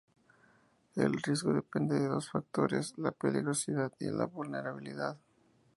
El riesgo depende de dos factores: la peligrosidad y la vulnerabilidad.